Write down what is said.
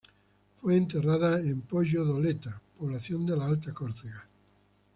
Fue enterrada en Poggio-d'Oletta, población de Alta Córcega.